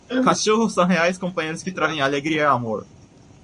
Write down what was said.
Cachorros são leais companheiros que trazem alegria e amor.